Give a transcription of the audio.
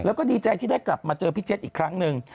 แล้วก็ดีใจที่ได้กลับมาเจอพี่เจ็ดอีกครั้งหนึ่ง